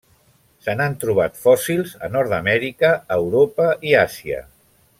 Se n'han trobat fòssils a Nord-amèrica, Europa i Àsia.